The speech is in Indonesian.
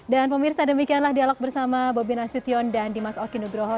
dan pemirsa demikianlah dialog bersama bobi nasution dan dimas oki nugroho